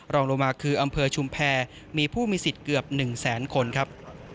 รองลงมาคืออำเภอชุมแพรมีผู้มีสิทธิ์เกือบ๑แสนคนครับ